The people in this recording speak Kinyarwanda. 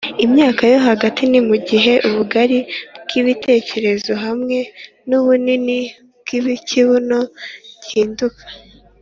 imyaka yo hagati ni mugihe ubugari bwibitekerezo hamwe nubunini bwikibuno gihinduka